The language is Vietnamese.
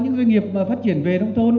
có những người nghiệp phát triển về đông thôn